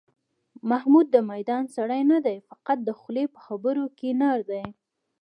محمود د میدان سړی نه دی، فقط د خولې په خبرو کې نر دی.